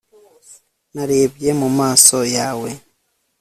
narebye mu maso yawe